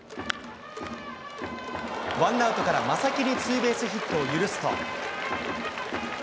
ワンアウトから正木にツーベースヒットを許すと。